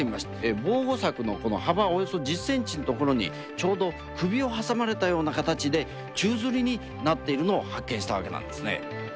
防護柵のこの幅およそ１０センチの所に、ちょうど首を挟まれたような形で、宙づりになっているのを発見したわけなんですね。